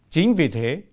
chính vì thế